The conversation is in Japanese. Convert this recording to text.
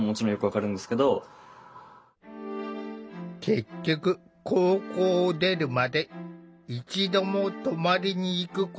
結局高校を出るまで一度も泊まりに行くことはできなかった。